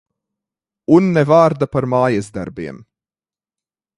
Un ne vārda par mājasdarbiem.